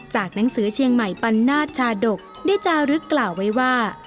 หนังสือเชียงใหม่ปันนาศชาดกได้จารึกกล่าวไว้ว่า